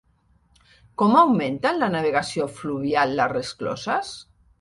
Com augmenten la navegació fluvial les rescloses?